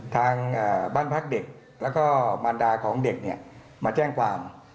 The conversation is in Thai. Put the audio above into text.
ทางบ้านพักเด็กแล้วก็มารดาของเด็กเนี่ยมาแจ้งความ